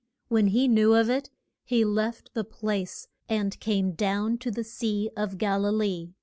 When he knew of it he left the place, and came down to the sea of Gal i lee.